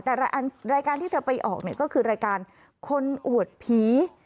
แต่รายการที่เธอไปออกเนี่ยก็คือรายการคนอวดผี